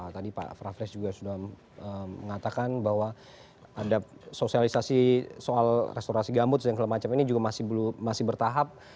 tadi pak franz juga sudah mengatakan bahwa ada sosialisasi soal restorasi gambut dan segala macam ini juga masih bertahap